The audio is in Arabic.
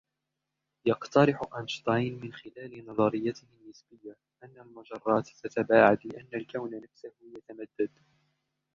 يقترح أينشتاين من خلال نظريته النسبية أن المجرات تتباعد لأن الكون نفسه يتمدد